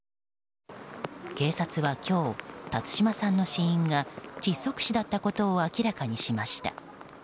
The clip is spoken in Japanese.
警察は今日辰島さんの死因が窒息死だったことを明らかにしました。